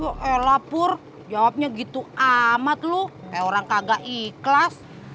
kok lapor jawabnya gitu amat lu kayak orang kagak ikhlas